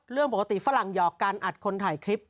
เรื่องปกติฝรั่งหยอกการอัดคนถ่ายคลิป